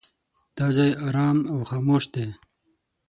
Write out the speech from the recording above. دا ځای ارام او خاموش دی.